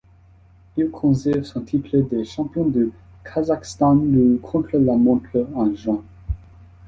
Il conserve son titre de champion du Kazakhstan du contre-la-montre en juin.